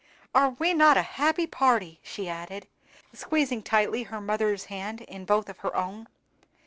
Are we not a happy party!" she added, squeezing tightly her mother's hand in both of her own.